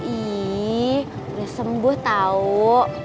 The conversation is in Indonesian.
ih udah sembuh tau